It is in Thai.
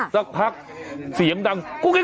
สักพักเสียงดังกุ๊ก